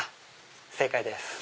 正解です。